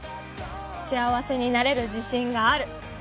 幸せになれる自信がある